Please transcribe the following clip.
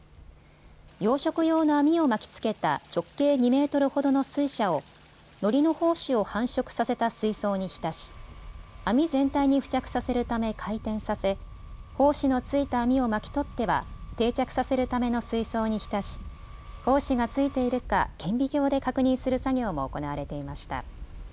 養殖用の網を巻き付けた直径２メートルほどの水車をのりの胞子を繁殖させた水槽に浸し、網全体に付着させるため回転させ胞子の付いた網を巻き取っては定着させるための水槽に浸し、胞子が付いているか顕微鏡で確認する作業も行われていました。